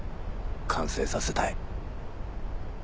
完成させたい。